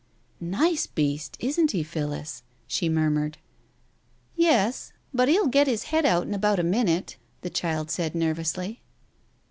... "Nice beast, isn't he, Phillis?" she murmured. "Yes, but he'll get his head out in about a minute !" the child said nervously.